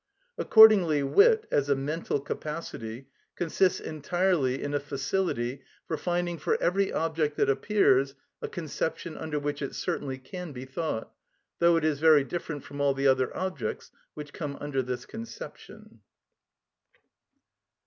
Accordingly wit, as a mental capacity, consists entirely in a facility for finding for every object that appears a conception under which it certainly can be thought, though it is very different from all the other objects which come under this conception.